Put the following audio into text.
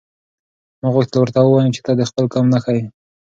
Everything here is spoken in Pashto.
ما غوښتل ورته ووایم چې ته د خپل قوم نښه یې.